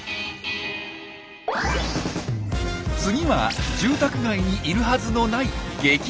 次は住宅街にいるはずのない激